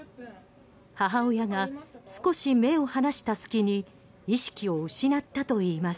母親が少し目を離した隙に意識を失ったといいます。